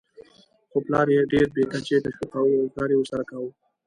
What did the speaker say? خو پلار یې ډېر بې کچې تشویقاوو او کار یې ورسره کاوه.